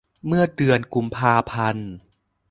เมื่อเดือนกุมภาพันธ์